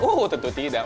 oh tentu tidak